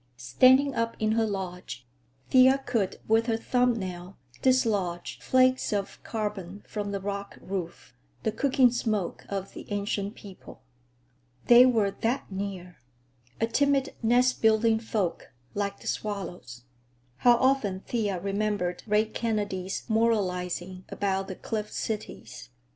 Standing up in her lodge, Thea could with her thumb nail dislodge flakes of carbon from the rock roof—the cooking smoke of the Ancient People. They were that near! A timid, nest building folk, like the swallows. How often Thea remembered Ray Kennedy's moralizing about the cliff cities.